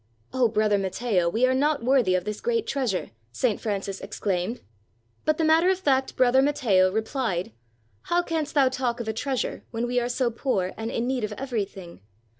"O Brother Matteo, we are not worthy of this great treasure," St. Francis exclaimed. But the matter of fact Brother Matteo replied, "How canst thou talk of a treasure when we are so poor and in need of everything?